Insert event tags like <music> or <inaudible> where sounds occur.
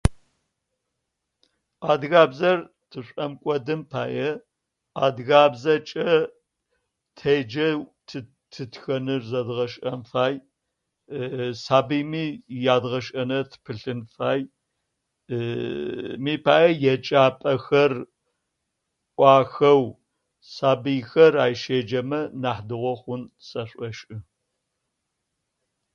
<noise> Адыгабзэр тышӏомкӏодын пае адыгабзэкӏэ теджэ, тыт тытхэныр зэдгъэшӏэн фай. <hesitation> сабыйми ядгъэшӏэнэ тыпылъын фай. <hesitation> Мыи пае еджапӏэхэр ӏуахэу сабыихэр ай щеджэмэ нахь дэгъэу хъун сэшӏошы.